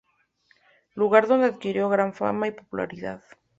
Lugar donde adquirió gran fama y popularidad.